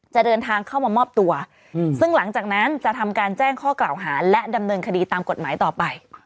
จะเดินทางเข้ามามอบตัวซึ่งหลังจากนั้นจะทำการแจ้งข้อกล่าวหาและดำเนินคดีตามกฎหมายต่อไป